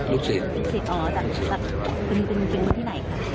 ลูกศิษย์